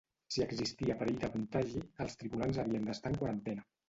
Si existia perill de contagi, els tripulants havien d'estar en quarantena.